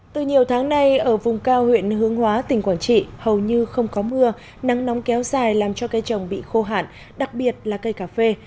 từ nhiều tháng nay ở vùng cao huyện hướng hóa tỉnh quảng trị hầu như không có mưa nắng nóng kéo dài làm cho cây trồng bị khô hạn đặc biệt là cây cà phê